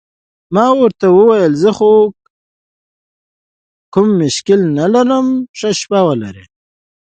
ما ورته وویل: زه خو کوم مشکل نه لرم، ښه شپه ولرئ.